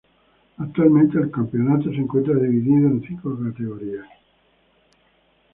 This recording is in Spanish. Actualmente el campeonato se encuentra dividido en cinco categorías.